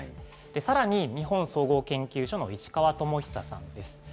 さらに、日本総合研究所の石川智久さんです。